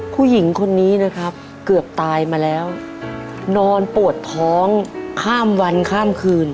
ผู้หญิงคนนี้นะครับเกือบตายมาแล้วนอนปวดท้องข้ามวันข้ามคืน